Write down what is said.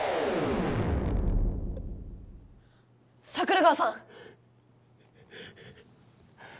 桜川さん！